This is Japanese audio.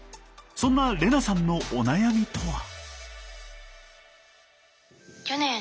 そんな玲那さんのお悩みとは？